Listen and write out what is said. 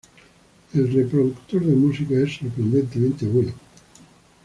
El reproductor de música es sorprendentemente bueno.